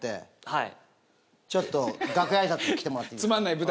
はい。